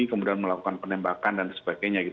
kemudian melakukan penembakan dan sebagainya